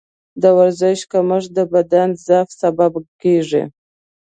د ورزش کمښت د بدن ضعف سبب کېږي.